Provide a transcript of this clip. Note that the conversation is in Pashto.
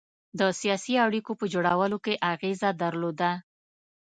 د سیاسي اړېکو په جوړولو کې اغېزه درلوده.